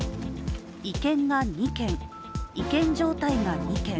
違憲が２件、違憲状態が２件。